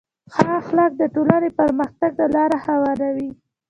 ښه اخلاق د ټولنې پرمختګ ته لاره هواروي.